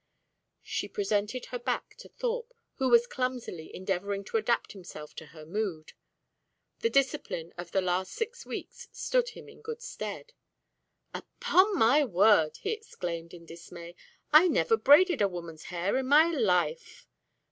She presented her back to Thorpe, who was clumsily endeavouring to adapt himself to her mood. The discipline of the last six weeks stood him in good stead. "Upon my word!" he exclaimed, in dismay, "I never braided a woman's hair in my life."